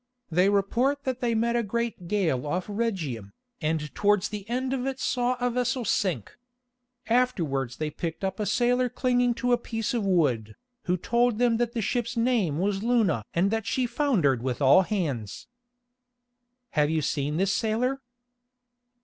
They report that they met a great gale off Rhegium, and towards the end of it saw a vessel sink. Afterwards they picked up a sailor clinging to a piece of wood, who told them that the ship's name was Luna and that she foundered with all hands." "Have you seen this sailor?"